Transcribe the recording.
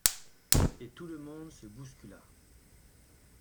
Et tout le monde se bouscula.